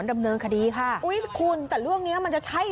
ทะเลาะเรื่องไหน